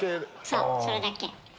そうそれだけ。